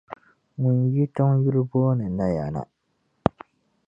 ŋun yi tiŋ yuli booni Naya na.